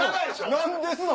何ですの？